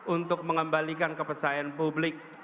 untuk mengembalikan kepercayaan publik